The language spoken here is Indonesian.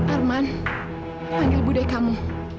arman panggil budaya kamu